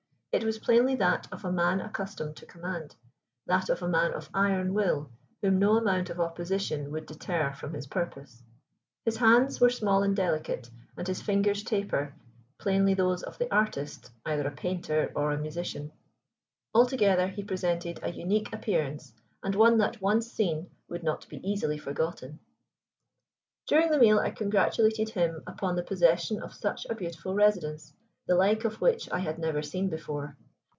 It was plainly that of a man accustomed to command; that of a man of iron will whom no amount of opposition would deter from his purpose. His hands were small and delicate, and his fingers taper, plainly those of the artist, either a painter or a musician. Altogether he presented a unique appearance, and one that once seen would not be easily forgotten. During the meal I congratulated him upon the possession of such a beautiful residence, the like of which I had never seen before.